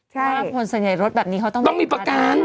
ถ้าคนส่วนใหญ่รถแบบนี้เขาต้องมีประกัน